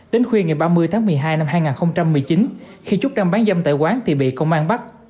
đến khuya ngày ba mươi tháng một mươi hai năm hai nghìn một mươi chín khi trúc đang bán dâm tại quán thì bị công an bắt